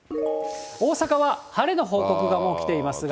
大阪は晴れの報告がもうきていますが。